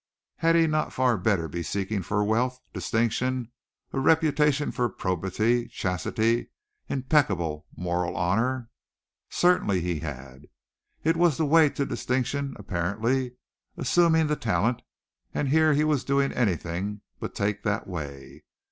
Had he not far better be seeking for wealth, distinction, a reputation for probity, chastity, impeccable moral honor? Certainly he had. It was the way to distinction apparently, assuming the talent, and here he was doing anything but take that way.